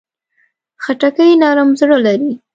خټکی نرم زړه لري.